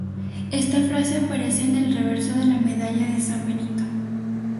Esta frase aparece en el reverso de la medalla de San Benito.